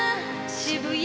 渋谷